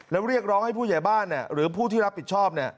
แล้วเรียกร้องให้ผู้ใหญ่บ้านหรือผู้ที่รับผิดชอบ